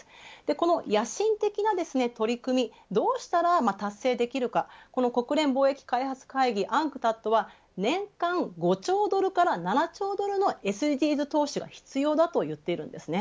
この野心的な取り組みどうしたら達成できるかこの国連貿易開発会議ＵＮＣＴＡＤとは年間５兆ドルから７兆ドルのＳＤＧｓの投資が必要です。